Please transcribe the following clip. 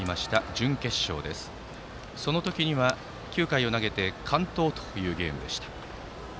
準決勝の時には９回を投げて完投というゲームでした。